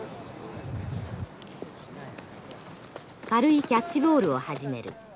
軽いキャッチボールを始める。